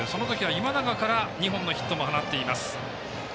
今永から２本のヒットを放っています。